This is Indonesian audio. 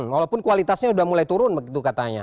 walaupun kualitasnya sudah mulai turun begitu katanya